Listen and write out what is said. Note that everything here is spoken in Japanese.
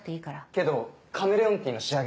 けどカメレオンティーの仕上げが。